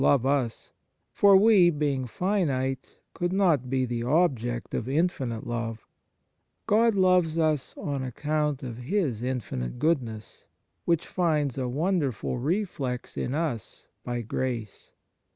67 E THE MARVELS OF DIVINE GRACE us; for we, being finite, could not be the object of infinite love. God loves us on account of His infinite goodness, which finds a wonderful reflex in us by grace.